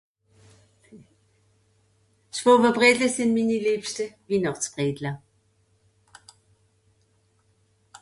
d schwowebredle sìn minni lebschte winàchtsbredle